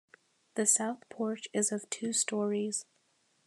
The south porch is of two storeys.